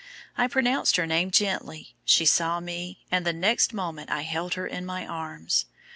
I pronounced her name gently, she saw me, and the next moment I held her in my arms.